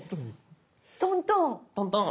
トントン。